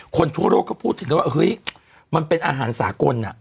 คนทั่วโลกก็พูดถึงกันว่าเฮ้ยมันเป็นอาหารสากล